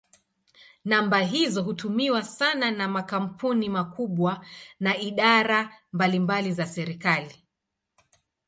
Namba hizo hutumiwa sana na makampuni makubwa na idara mbalimbali za serikali.